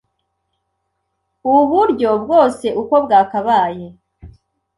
uburyo bwose uko bwakabaye